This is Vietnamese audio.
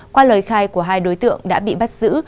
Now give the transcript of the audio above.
qua lời khai của hai đối tượng đã bị bắt giữ